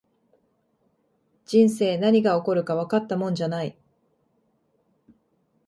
人生、何が起こるかわかったもんじゃない